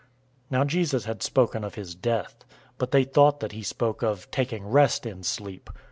011:013 Now Jesus had spoken of his death, but they thought that he spoke of taking rest in sleep.